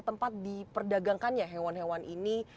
tempat diperdagangkannya hewan hewan ini